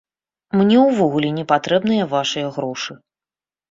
Мне ўвогуле не патрэбныя вашыя грошы.